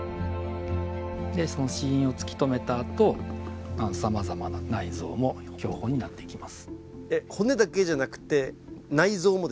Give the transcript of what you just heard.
その死因を突き止めたあとさまざまな内臓も標本になっていきます。